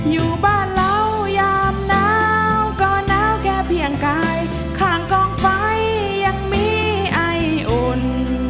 อยู่บ้านเรายามหนาวก็หนาวแค่เพียงกายข้างกองไฟยังมีไออุ่น